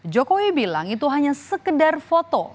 jokowi bilang itu hanya sekedar foto